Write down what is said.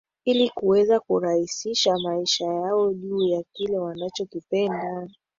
Hili kuweza kuraisisha maisha yao juu ya kile wanachokipenda